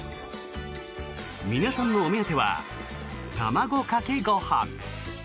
皆さんのお目当ては卵かけご飯。